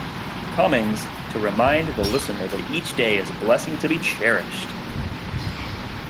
Cummings to remind the listener that each day is a blessing to be cherished.